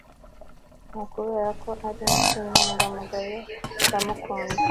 Ni ukubera ko ari inyangamugayo ndamukunda